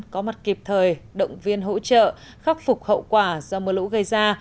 có mặt kịp thời động viên hỗ trợ khắc phục hậu quả do mưa lũ gây ra